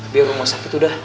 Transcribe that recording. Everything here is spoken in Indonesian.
biar rumah sakit udah